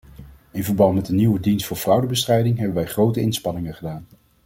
In verband met de nieuwe dienst voor fraudebestrijding hebben wij grote inspanningen gedaan.